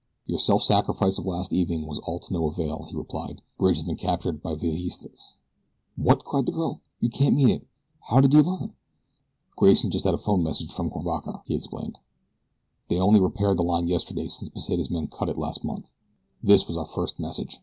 "Your self sacrifice of last evening was all to no avail," he replied. "Bridge has been captured by Villistas." "What?" cried the girl. "You can't mean it how did you learn?" "Grayson just had a phone message from Cuivaca," he explained. "They only repaired the line yesterday since Pesita's men cut it last month. This was our first message.